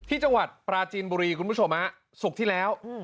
ที่จังหวัดปราจีนบุรีคุณผู้ชมฮะศุกร์ที่แล้ว